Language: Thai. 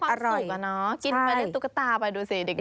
กินมาเล่นตุ๊กตาไปดูสิเด็ก